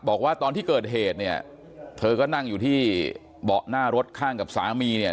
บอกว่าตอนที่เกิดเหตุเนี่ยเธอก็นั่งอยู่ที่เบาะหน้ารถข้างกับสามีเนี่ย